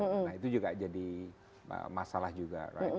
nah itu juga jadi masalah juga rakyat